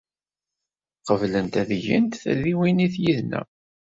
Qeblent ad gent tadiwennit yid-neɣ.